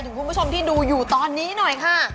คุณผู้ชมที่ดูอยู่ตอนนี้หน่อยค่ะ